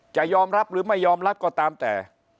จะยอมรับหรือไม่ยอมรับก็ตามแต่